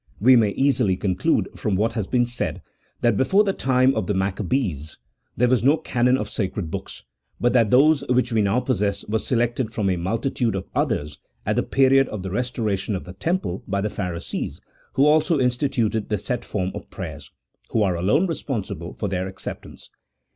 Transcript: We may easily conclude from what has been said, that before the time of the Macca bees there was no canon of sacred books, 1 but that those which we now possess were selected from a multitude of others at the period of the restoration of the Temple by the Pharisees (who also instituted the set form of prayers), who are alone responsible for their acceptance.